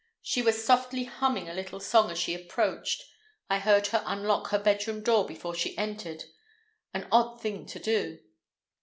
She was softly humming a little song as she approached. I heard her unlock her bedroom door before she entered—an odd thing to do.